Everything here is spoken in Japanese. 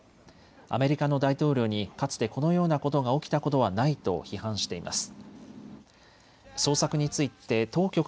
アメリカの大統領にかつてこのようなことが起きたことはないと批判しています。